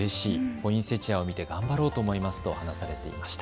ポインセチアを見て頑張ろうと思いますと話されていました。